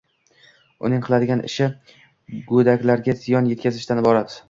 Uning qiladigan ishi go‘daklarga ziyon yetkazishdan iborat